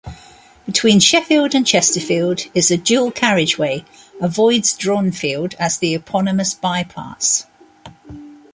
Between Sheffield and Chesterfield is a dual carriageway, avoids Dronfield as the eponymous by-pass.